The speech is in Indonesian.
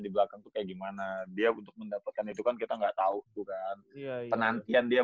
di belakang tuh kayak gimana dia untuk mendapatkan itu kan kita enggak tahu bukan penantian dia